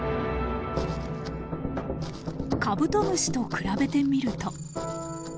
カブトムシと比べてみると。